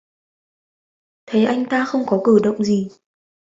Thấy anh ta không có cử động gì